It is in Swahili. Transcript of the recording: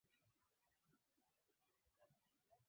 Vyakula vya Zanzibar ni moja Kati ya vitu vinavyovutia zaidi